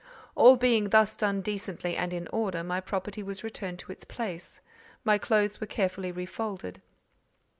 All being thus done decently and in order, my property was returned to its place, my clothes were carefully refolded.